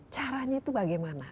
caranya itu bagaimana